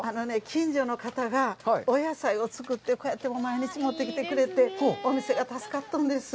近所の方がお野菜を作って、こうやって毎日持ってきてくれて、お店が助かっとんです。